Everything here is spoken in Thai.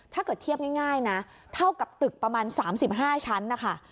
ถ้าเกิดเทียบง่ายนะเท่ากับตึกประมาณ๓๕ชั้นนะคะ